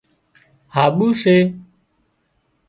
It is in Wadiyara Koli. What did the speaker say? هاٻو سي